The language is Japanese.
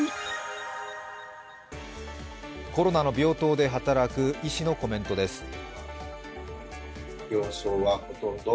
コロナの病棟で働く医師のコメントです。